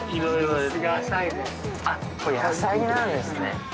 あっこれ野菜なんですね